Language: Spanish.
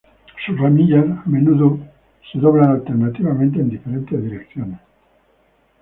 Sus ramillas a menudo se doblan alternativamente en diferentes direcciones.